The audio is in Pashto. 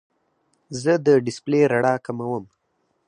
زه د ډیسپلې رڼا کموم.